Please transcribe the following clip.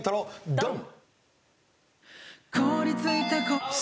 ドン！